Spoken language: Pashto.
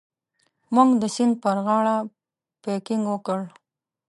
موږ د سیند پر غاړه پکنیک وکړ.